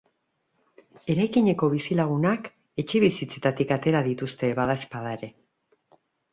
Eraikineko bizilagunak etxebizitzetatik atera dituzte badaezpada ere.